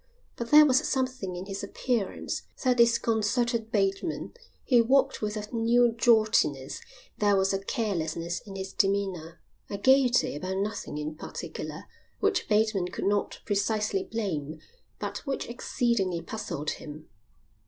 But there was something in his appearance that disconcerted Bateman. He walked with a new jauntiness; there was a carelessness in his demeanour, a gaiety about nothing in particular, which Bateman could not precisely blame, but which exceedingly puzzled him.